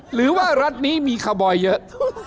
หรือว่ารัฐนี้มีคาร์บอยเยอะ